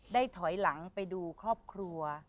ถอยหลังไปดูครอบครัว